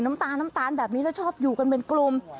น้ำตาลแบบนี้จะชอบอยู่กันเป็นกลุ่ม